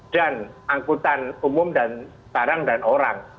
dan angkutan umum dan barang dan orang